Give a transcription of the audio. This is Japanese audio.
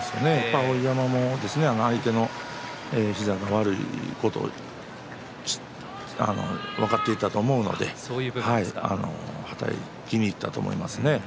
碧山も相手の膝が悪いことを分かっていたと思うのではたきにいったと思いますね。